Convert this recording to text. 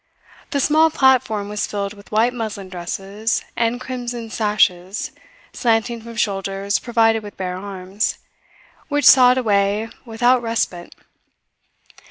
The small platform was filled with white muslin dresses and crimson sashes slanting from shoulders provided with bare arms, which sawed away without respite.